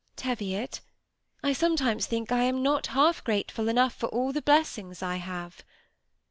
Teviot, I sometimes think I am not half grateful enough for all the blessings I have."